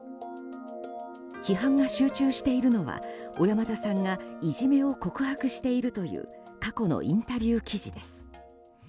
批判が集中しているのは小山田さんがいじめを告白しているという過去のインタビュー記事です。